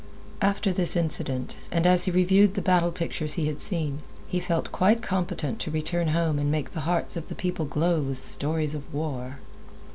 After this incident, and as he reviewed the battle pictures he had seen, he felt quite competent to return home and make the hearts of the people glow with stories of war.